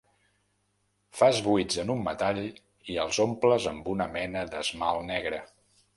Fas buits en un metall i els omples amb una mena d'esmalt negre.